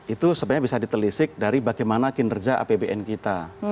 itu sebenarnya bisa ditelisik dari bagaimana kinerja apbn kita